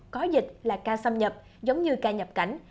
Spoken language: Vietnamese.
có dịch là ca xâm nhập giống như ca nhập cảnh